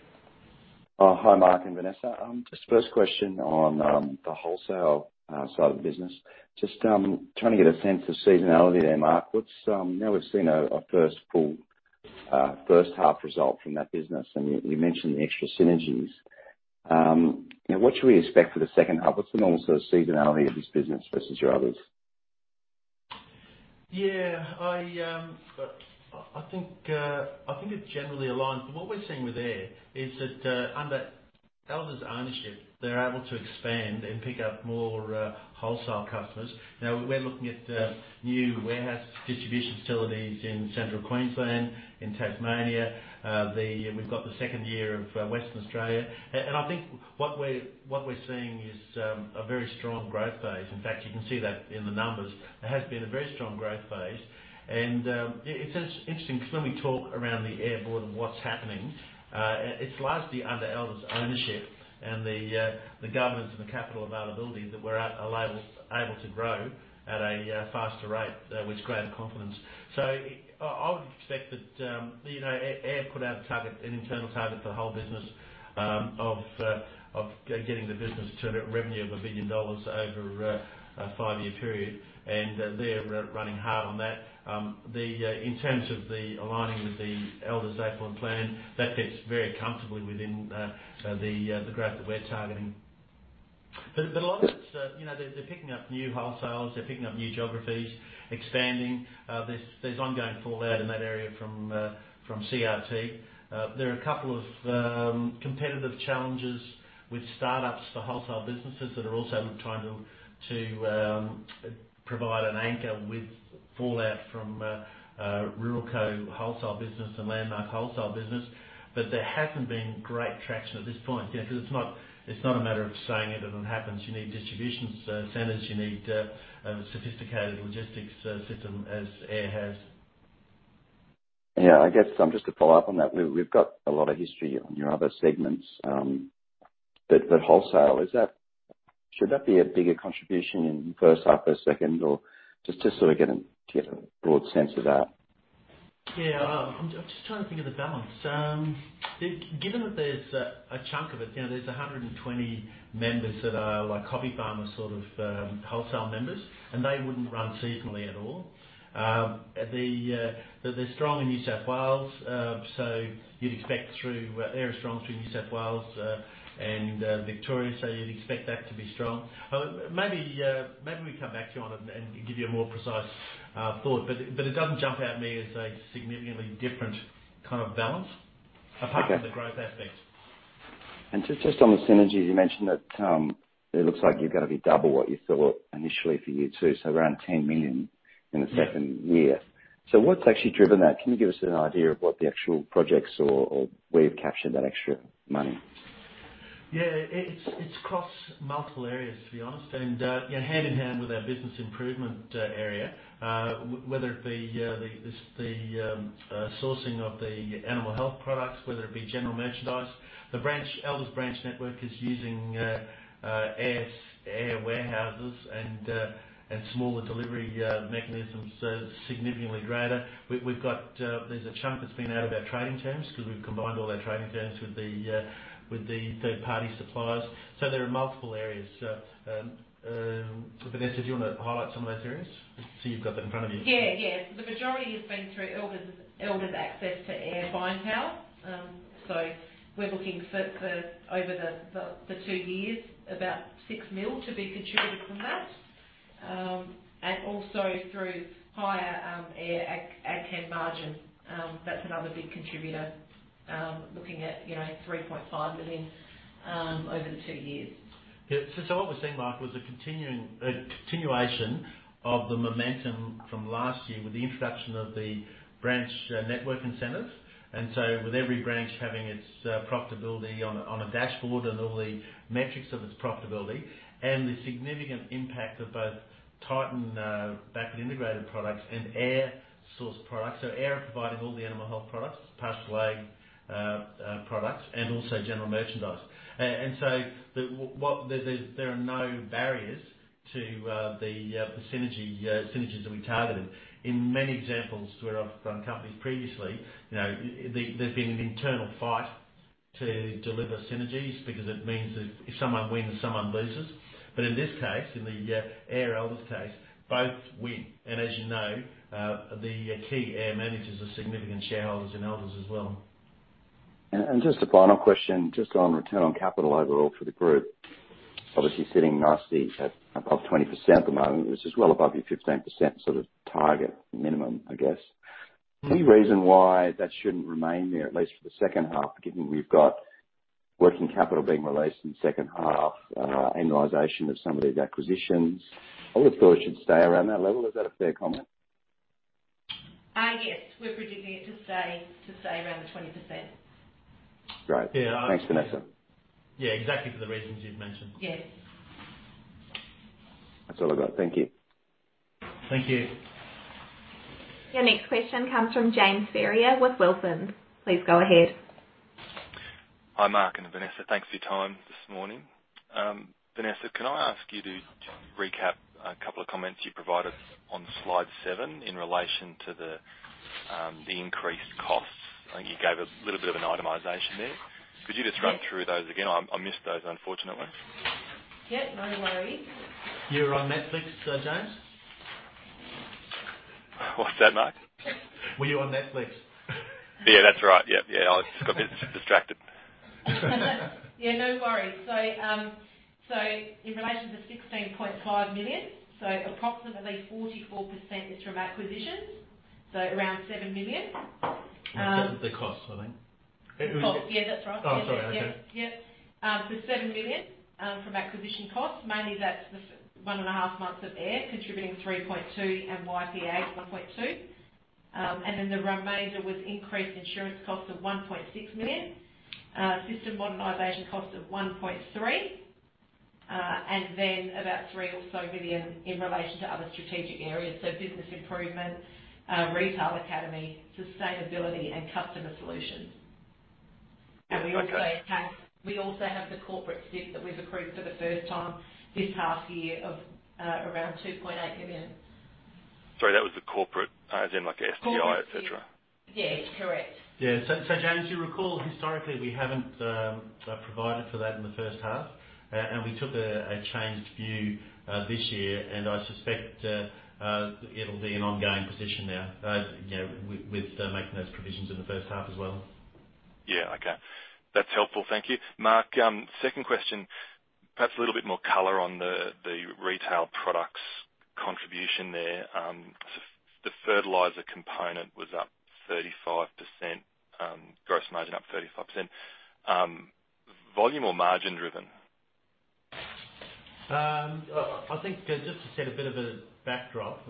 Hi, Mark and Vanessa. Just first question on the wholesale side of the business. Just trying to get a sense of seasonality there, Mark. Look, we've never seen a first half result from that business, and you mentioned the extra synergies. What should we expect for the second half? What's the normal seasonality of this business versus your others? Yeah. I think it generally aligns. What we're seeing with AIRR is that under Elders ownership, they're able to expand and pick up more wholesale customers. We're looking at new warehouse distribution facilities in Central Queensland, in Tasmania. We've got the second year of Western Australia. I think what we're seeing is a very strong growth phase. In fact, you can see that in the numbers. It has been a very strong growth phase. It's interesting because when we talk around the AIRR board and what's happening, it's largely under Elders ownership and the governance and the capital availability that we're able to grow at a faster rate with great confidence. I would expect that AIRR put out an internal target for the whole business of getting the business to that revenue of 1 billion dollars over a five-year period, and they're running hard on that. In terms of aligning with the Elders' five-year plan, that fits very comfortably within the growth that we're targeting. A lot of it, they're picking up new wholesales, they're picking up new geographies, expanding. There's ongoing fallout in that area from CRT. There are a couple of competitive challenges with startups for wholesale businesses that are also trying to provide an anchor with fallout from Ruralco wholesale business and Landmark wholesale business. There hasn't been great traction at this point. It's not a matter of saying it and it happens. You need distribution centers, you need a sophisticated logistics system as AIRR has. Yeah. I guess just to follow up on that, we've got a lot of history on your other segments. Wholesale, should that be a bigger contribution in first half or second? Just so we get a broad sense of that. Yeah. I'm just trying to think of the balance. Given that there's a chunk of it, there's 120 members that are co-op farmers wholesale members, and they wouldn't run seasonally at all. They're strong in New South Wales, AIRR is strong through New South Wales and Victoria, so you'd expect that to be strong. Maybe we come back to you on it and give you a more precise thought, but it doesn't jump out at me as a significantly different kind of balance. Okay. Just on synergies, you mentioned that it looks like you're going to be double what you thought initially for year two, so around 10 million in the second year. What's actually driven that? Can you give us an idea of what the actual projects or where you've captured that extra money? Yeah. It's across multiple areas, to be honest, and hand-in-hand with our business improvement area, whether it be the sourcing of the animal health products, whether it be general merchandise. Elders branch network is using AIRR warehouses and smaller delivery mechanisms, so significantly greater. There's a chunk that's been out of our trading terms because we've combined all our trading terms with the third-party suppliers. There are multiple areas. Vanessa, do you want to highlight some of those areas, see if you've got them in front of you? The majority has been through Elders access to AIRR by now. We're looking for over the two years about 6 million to be contributed from that, and also through higher AIRR ag chem margin. That's another big contributor, looking at 3.5 million over the two years. Yeah. What we're seeing, Mark, was a continuation of the momentum from last year with the introduction of the branch network incentives. With every branch having its profitability on a dashboard and all the metrics of its profitability and the significant impact of both Titan backward integrated products and AIRR sourced products. AIRR are providing all the animal health products, Pastoral Ag products, and also general merchandise. There are no barriers to the synergies we targeted. In many examples where I've run companies previously, there's been an internal fight to deliver synergies because it means that someone wins and someone loses. In this case, in the AIRR Elders case, both win. As you know, the key AIRR managers are significant shareholders in Elders as well. Just a final question, just on Return on Capital overall for the group. Obviously sitting nicely at above 20% at the moment, which is well above your 15% target minimum, I guess. Any reason why that shouldn't remain there, at least for the second half, given we've got working capital being released in the second half, annualization of some of these acquisitions? I would've thought it should stay around that level. Is that a fair comment? I guess we're predicting it to stay around the 20%. Great. Thanks, Vanessa. Yeah, exactly for the reasons you've mentioned. Yeah. That's all I got. Thank you. Thank you. Your next question comes from James Ferrier with Wilsons. Please go ahead. Hi, Mark and Vanessa. Thanks for your time this morning. Vanessa, can I ask you to recap a couple of comments you provided on slide seven in relation to the increased costs? I think you gave a little bit of an itemization there. Could you just run through those again? I missed those, unfortunately. Yeah, no worry. You're on Netflix though, James? What's that, Mark? Were you on Netflix? Yeah, that's right. Yeah. I just got a bit distracted. Yeah, no worry. In relation to the 16.5 million, approximately 44% is from acquisitions, so around 7 million. That's the cost, I think. Oh, yeah, that's right. Oh, sorry. Okay. 7 million from acquisition costs, mainly that's one and a half months of AIRR contributing 3.2 million and YP AG 1.2 million. The remainder was increased insurance costs of 1.6 million, systems modernization program cost of 1.3 million, 3 million in relation to other strategic areas, so business improvement, retail academy, sustainability, and customer solutions. We also have the corporate STIP that we've approved for the first time this half year of around 2.8 million. Sorry, that was the corporate, then like STI, et cetera? Yeah, correct. Yeah. James, you recall historically we haven't provided for that in the first half, and we took a changed view this year, and I suspect it'll be an ongoing position now, with making those provisions in the first half as well. Yeah. Okay. That's helpful. Thank you. Mark, second question. Perhaps a little bit more color on the retail products contribution there. The fertilizer component was up 35%, gross margin up 35%. Volume or margin-driven? I think just to set a bit of a backdrop,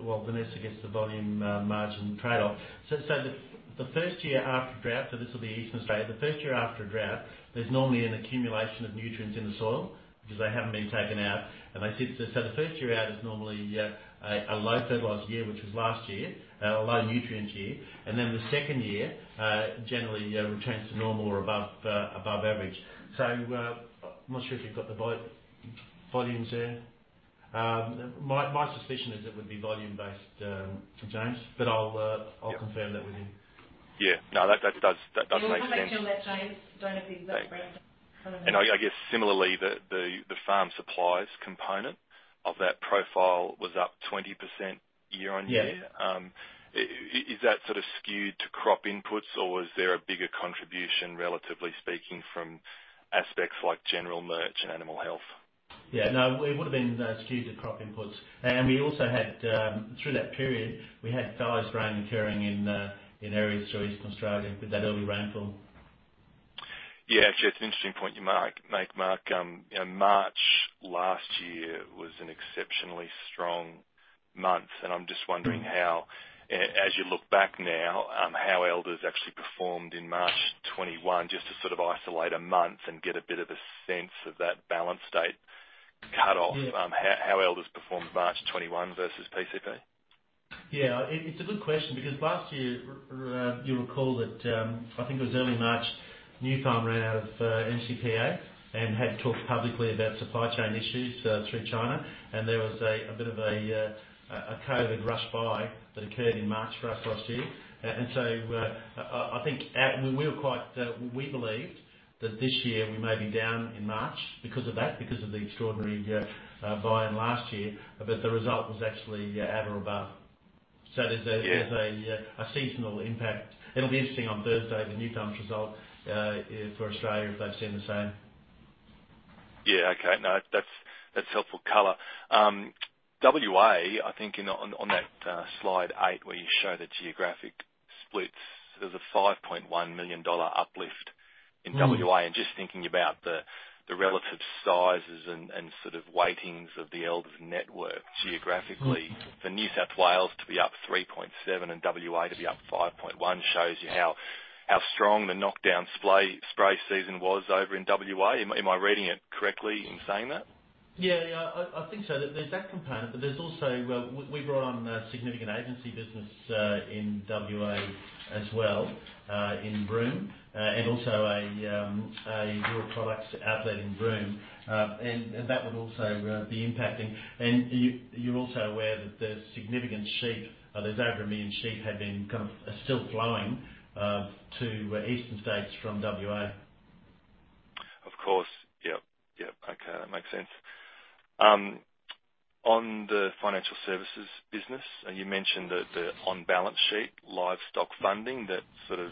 well, Vanessa gets the volume margin trade-off. The first year after a drought, this will be eastern state, the first year after a drought, there is normally an accumulation of nutrients in the soil because they haven't been taken out. The first year out is normally a low fertilizer year, which was last year, a low nutrients year. The second year, generally returns to normal or above average. I'm not sure if you've got the volumes there. My suspicion is it would be volume-based, James, but I'll confirm that with you. Yeah. No, that does make sense. We'll come back on that, James. Don't have the exact numbers in front of me. I guess similarly, the farm supplies component of that profile was up 20% year-on-year. Yeah. Is that sort of skewed to crop inputs, or is there a bigger contribution, relatively speaking, from aspects like general merch and animal health? Yeah. No, it would have been due to crop inputs. We also had, through that period, we had summer rain occurring in areas of Eastern Australia with that early rainfall. Yeah. Actually, that's an interesting point you make, Mark. March last year was an exceptionally strong month, and I'm just wondering how, as you look back now, how Elders actually performed in March 2021, just to sort of isolate a month and get a bit of a sense of that balance date cut off, how Elders performed March 2021 versus PCP? Yeah. It's a good question, because last year, you will recall that, I think it was early March, Nufarm out of MCPA and had talked publicly about supply chain issues through China, and there was a bit of a COVID rush buy that occurred in March for us last year. I think we believed that this year we may be down in March because of that, because of the extraordinary volume last year. The result was actually at or above. There is a seasonal impact. It will be interesting on Thursday, the Nufarm's result for Australia, if they have seen the same. That's helpful color. W.A., I think on that slide eight where you show the geographic splits, there's an 5.1 million dollar uplift in W.A. Just thinking about the relative sizes and sort of weightings of the Elders network geographically, for New South Wales to be up 3.7 million and W.A. to be up 5.1 million shows you how strong the knockdown spray season was over in W.A. Am I reading it correctly in saying that? Yeah, I think so. There's that component, but there's also, we've grown a significant agency business in W.A. as well, in Broome, and also a rural products outlet in Broome. That would also be impacting. You're also aware that there's significant sheep, there's over 1 million sheep have been kind of still flowing to eastern states from W.A. Of course. Yep. Okay. That makes sense. On the financial services business, you mentioned that on balance sheet, livestock funding that sort of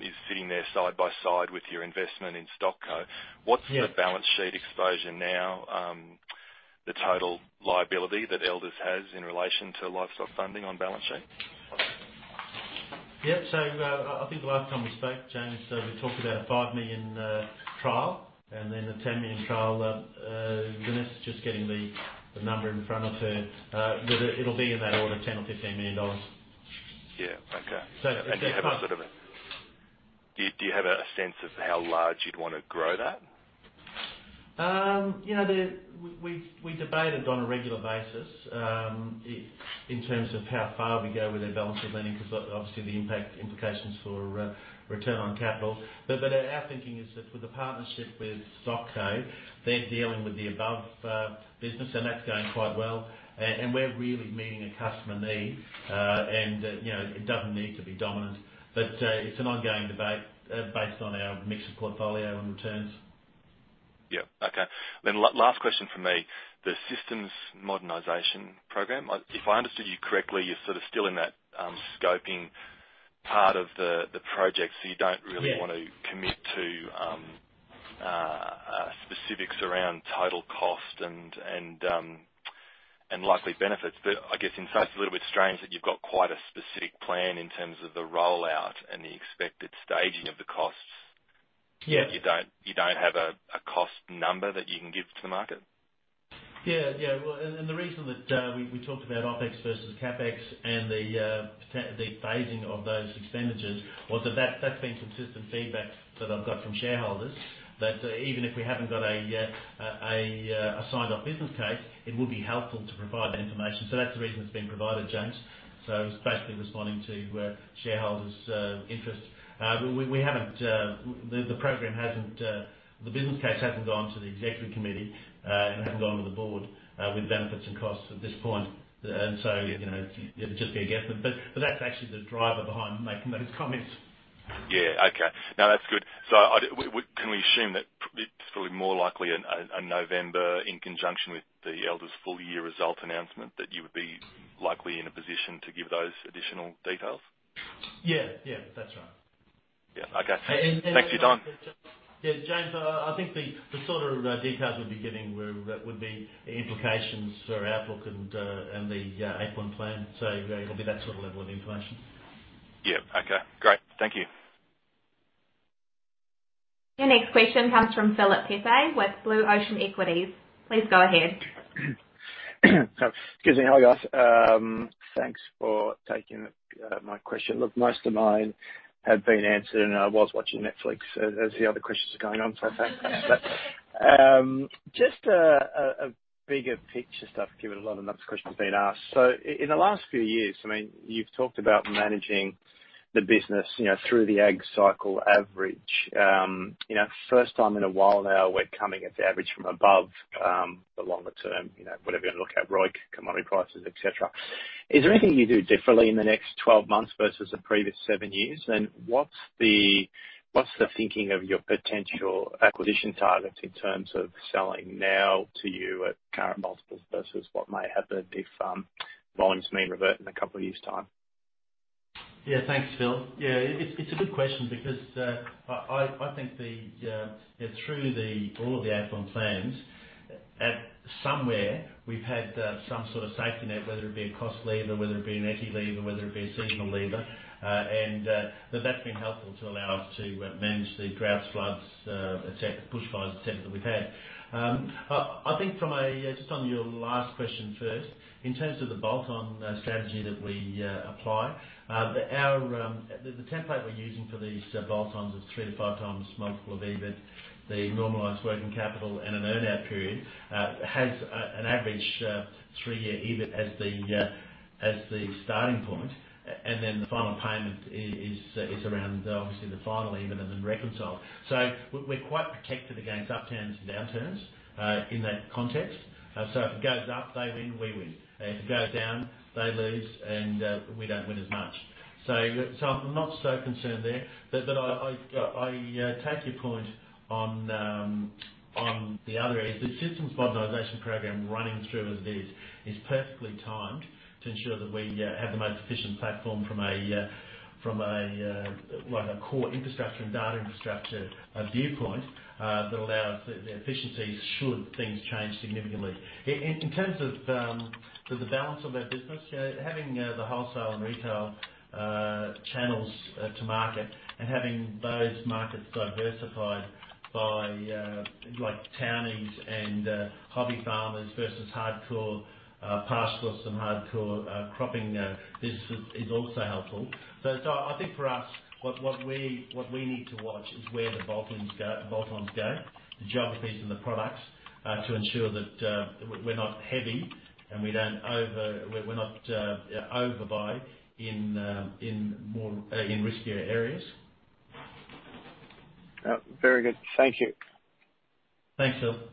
is sitting there side by side with your investment in StockCo. What's the balance sheet exposure now, the total liability that Elders has in relation to livestock funding on balance sheet? Yeah. I think the last time we spoke, James, we talked about 5 million trial, and then an 10 million trial. Vanessa's just getting the number in front of her. It'll be in that order, 10 million or 15 million dollars. Yeah. Okay. So Do you have a sense of how large you'd want to grow that? We debate it on a regular basis, in terms of how far we go with the balance sheet, because obviously the impact implications for Return on Capital. Our thinking is that for the partnership with StockCo, they're dealing with the above business and that's going quite well. We're really meeting a customer need, and it doesn't need to be dominant. It's an ongoing debate based on our mixed portfolio and returns. Yeah. Okay. Last question from me, the systems modernization program. If I understood you correctly, you're sort of still in that scoping part of the project, so you don't really want to commit to specifics around total cost and likely benefits. I guess in some ways, it's a little bit strange that you've got quite a specific plan in terms of the rollout and the expected staging of the costs. Yeah. You don't have a cost number that you can give to the market. Well, the reason that we talked about OpEx versus CapEx and the phasing of those expenditures was that that's been consistent feedback that I've got from shareholders, that even if we haven't got a signed off business case, it would be helpful to provide that information. That's the reason it's been provided, James. The business case hasn't gone to the executive committee and hasn't gone to the board with benefits and costs at this point. It's just a guess. That's actually the driver behind making those comments. Yeah. Okay. No, that's good. Can we assume that it's probably more likely a November in conjunction with the Elders full year result announcement, that you would be likely in a position to give those additional details? Yeah, that's right. Yeah. Okay. Thanks, Don. Yeah, James, I think the sort of details we'd be giving would be the implications for outlook and the Eight-Point Plan. It'll be that sort of level of information. Yeah. Okay, great. Thank you. The next question comes from Philip Pepe with Blue Ocean Equities. Please go ahead. Excuse me. Hi, guys. Thanks for taking my question. Look, most of mine have been answered, and I was watching Netflix as the other questions were going on, so just a bigger picture stuff, given a lot of my questions have been asked. In the last few years, you've talked about managing the business through the Ag cycle average. First time in a while now, we're coming at the average from above the longer term, whatever you look at, ROI, commodity prices, et cetera. Is there anything you do differently in the next 12 months versus the previous seven years? What's the thinking of your potential acquisition targets in terms of selling now to you at current multiples versus what may happen if bonds mean revert in a couple of years' time? Yeah, thanks, Phil. Yeah, it's a good question because I think through all of the Eight-Point Plans, somewhere we've had some sort of safety net, whether it be a cost lever, whether it be an equity lever, whether it be a seasonal lever. That's been helpful to allow us to manage the droughts, floods, bushfires, et cetera, that we've had. Just on your last question first, in terms of the bolt-on strategy that we apply, the template we're using for these bolt-ons is 3x-5x multiple of EBIT. The normalized working capital an earn-out period has an average three-year EBIT as the starting point. Then the final payment is around, obviously, the final EBIT and then reconciled. We're quite protected against upturns and downturns, in that context. If it goes up, they win, we win. If it goes down, they lose, and we don't win as much. I'm not so concerned there. I take your point on the other areas. The systems modernization program running through as is perfectly timed to ensure that we have the most efficient platform from a core infrastructure and data infrastructure viewpoint that allow us the efficiencies should things change significantly. In terms of the balance of our business, having the wholesale and retail channels to market and having those markets diversified by townies and hobby farmers versus hardcore pastoralists and hardcore cropping businesses is also helpful. I think for us, what we need to watch is where the bolt-ons go, the geographies and the products, to ensure that we're not heavy and we're not over by in riskier areas. Very good. Thank you. Thanks, Philip.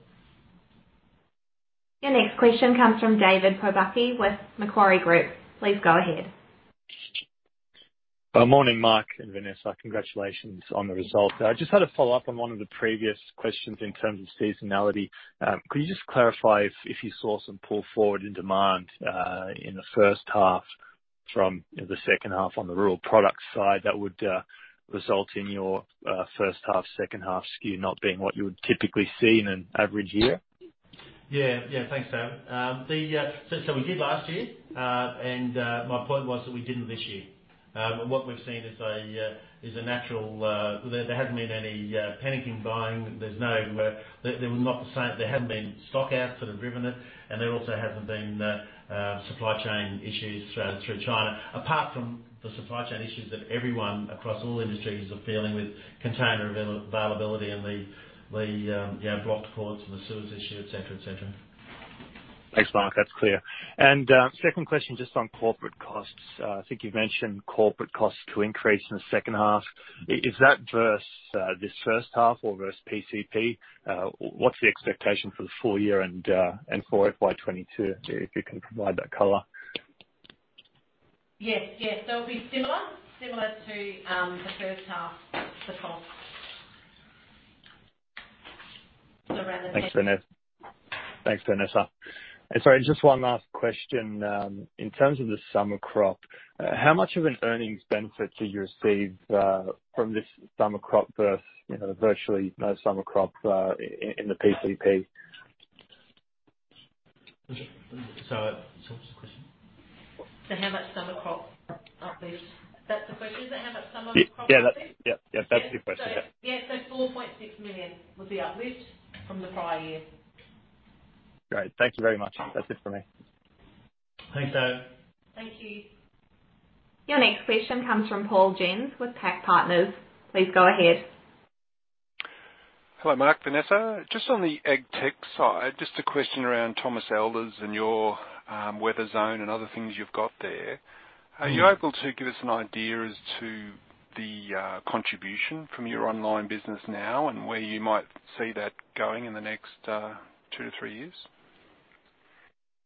Your next question comes from David Pobucky with Macquarie Group. Please go ahead. Morning, Mark and Vanessa. Congratulations on the result. I just had a follow-up on one of the previous questions in terms of seasonality. Could you just clarify if you saw some pull forward in demand in the first half from the second half on the rural product side that would result in your first half, second half skew not being what you would typically see in an average year? Yeah. Thanks, David. We did last year, and my point was that we didn't this year. There hasn't been any panic buying. There haven't been stock outs that have driven it, and there also haven't been supply chain issues through China, apart from the supply chain issues that everyone across all industries are feeling with container availability and the blocked ports and the Suez issue, et cetera. Thanks, Mark. That's clear. Second question, just on corporate costs. I think you've mentioned corporate costs to increase in the second half. Is that versus this first half or versus PCP? What's the expectation for the full year and for FY 2022, if you can provide that color? Yes. It'll be similar to the first half, the cost. Thanks, Vanessa. Sorry, just one last question. In terms of the summer crop, how much of an earnings benefit do you receive from this summer crop versus virtually no summer crop in the PCP? Sorry, what was the question? How much summer crop uplift? That's the question, is that how much summer crop uplift? Yeah, that's the question. Yeah, 4.6 million was the uplift from the prior year. Great. Thank you very much. That's it from me. Thanks, David. Thank you. Your next question comes from Paul Jensz with PAC Partners. Please go ahead. Hello, Mark, Vanessa. Just on the AgTech side, just a question around Thomas Elder and your Weatherzone and other things you've got there. Are you able to give us an idea as to the contribution from your online business now and where you might see that going in the next two to three years?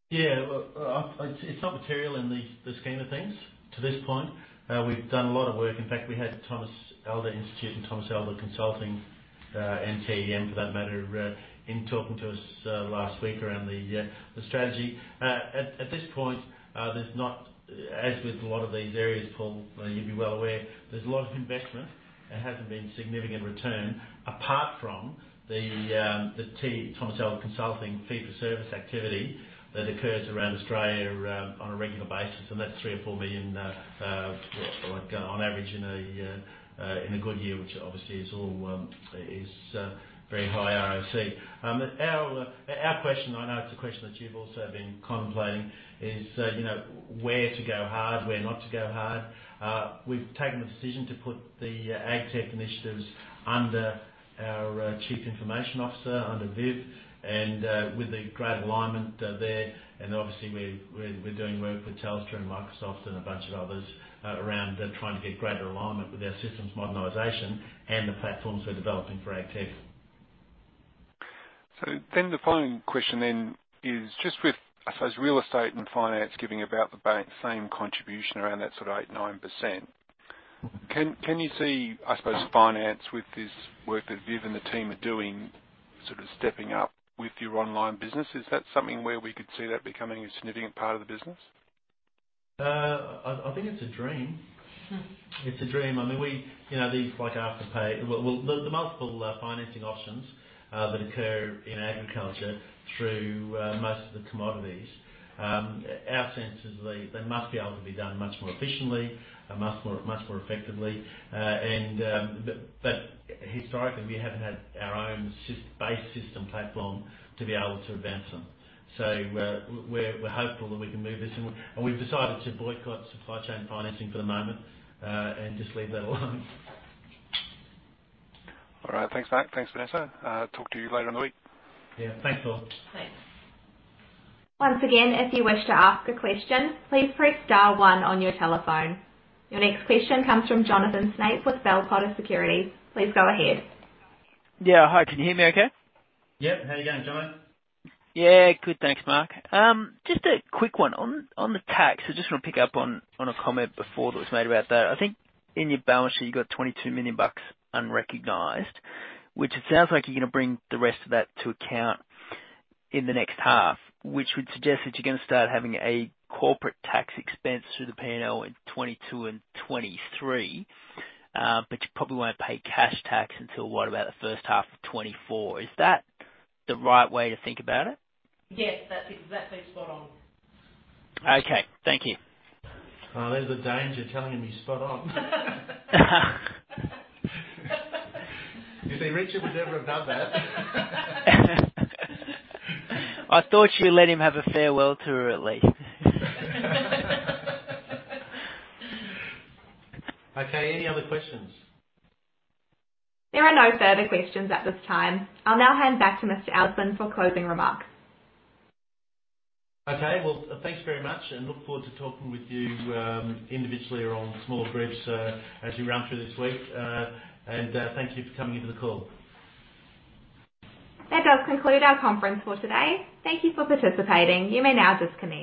It's not material in the scheme of things to this point. We've done a lot of work. In fact, we had Thomas Elder Institute and Thomas Elder Consulting, and TEM for that matter, in talking to us last week around the strategy. At this point, as with a lot of these areas, Paul, you'd be well aware, there's a lot of investment. There hasn't been significant return apart from the Thomas Elder Consulting fee for service activity that occurs around Australia on a regular basis, and that's 3 million or 4 million on average in a good year, which obviously is very high ROC. Our question, I know it's a question that you've also been contemplating, is where to go hard, where not to go hard. We've taken the decision to put the AgTech initiatives under our Chief Information Officer, under Viv, and with the great alignment there, and obviously we're doing work with Telstra and Microsoft and a bunch of others around trying to get greater alignment with our systems modernization and the platforms we're developing for AgTech. The following question then is just with, I suppose, real estate and finance giving about the same contribution around that sort of 8%-9%. Can you see, I suppose, finance with this work that Viv and the team are doing, stepping up with your online business? Is that something where we could see that becoming a significant part of the business? I think it's a dream. It's a dream. Well, the multiple financing options that occur in agriculture through most of the commodities, our sense is they must be able to be done much more efficiently and much more effectively. Historically, we haven't had our own base system platform to be able to advance them. We're hopeful that we can move this on, and we've decided to boycott supply chain financing for the moment and just leave that alone. All right. Thanks for that. Thanks, Vanessa. Talk to you later in the week. Yeah. Thanks, Paul. Thanks. Once again, if you wish to ask a question, please press star one on your telephone. The next question comes from Jonathan Snape with Bell Potter Securities. Please go ahead. Yeah. Hi, can you hear me, okay? Yeah. How you going, John? Yeah, good. Thanks, Mark. Just a quick one on the tax. I just want to pick up on a comment before that was made about that. I think in your balance sheet, you've got 22 million bucks unrecognized, which it sounds like you're going to bring the rest of that to account in the next half, which would suggest that you're going to start having a corporate tax expense through the P&L in 2022 and 2023. You probably won't pay cash tax until, what, about the first half of 2024. Is that the right way to think about it? Yes, that's exactly spot on. Okay. Thank you. Oh, there's a danger telling him he's spot on. You see, Richard would never have done that. I thought she'd let him have a farewell tour at least. Okay. Any other questions? There are no further questions at this time. I'll now hand back to Mr. Allison for closing remarks. Okay, well, thanks very much and look forward to talking with you individually or in small groups as we run through this week. Thank you for coming to the call. That does conclude our conference for today. Thank you for participating. You may now disconnect.